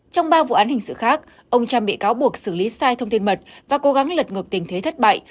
trong ba vụ án hình sự khác ông trump bị cáo buộc xử lý sai thông tin mật và cố gắng lật ngược tình thế thất bại